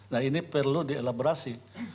nah ini perlu di elaborasi